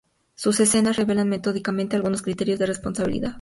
Sus escenas revelan metódicamente algunos criterios de responsabilidad.